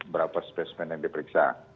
berapa spesimen yang diperiksa